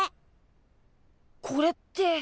これって！？